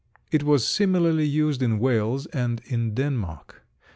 It was similarly used in Wales and in Denmark.